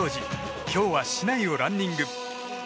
今日は市内をランニング。